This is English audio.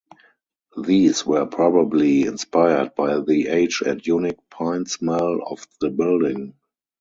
These were probably inspired by the age and unique pine smell of the building.